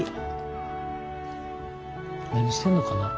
何してんのかな？